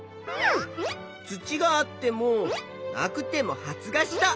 土があってもなくても発芽した。